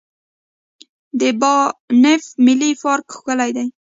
د بانف ملي پارک ښکلی دی.